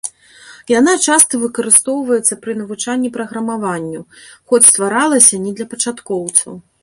Яна часта выкарыстоўваецца пры навучанні праграмаванню, хоць стваралася не для пачаткоўцаў.